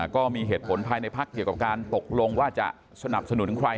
ก็มีเหตุผลภายในพักเกี่ยวกับการตกลงว่าจะสนับสนุนใคร